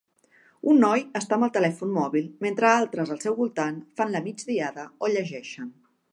Un noi està amb el telèfon mòbil mentre altres al seu voltant fan la migdiada o llegeixen.